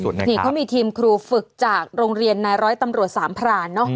เย็นหน่ายร้อยตำรวจสามพรานเนาะ